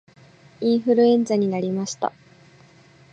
インフルエンザになりました